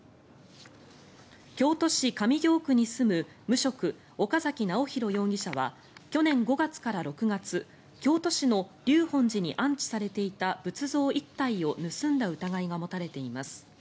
京都市上京区に住む無職・岡崎尚弘容疑者は去年５月から６月京都市の立本寺に安置されていた仏像１体を盗んだ疑いが持たれています。